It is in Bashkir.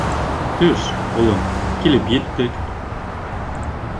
— Төш, улым, килеп еттек.